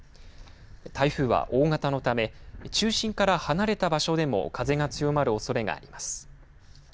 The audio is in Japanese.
台風は大型のため中心から離れた場所でも風が強まるおそれがあります。